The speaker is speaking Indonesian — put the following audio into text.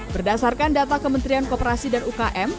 berdasarkan data kementerian kooperasi dan ukm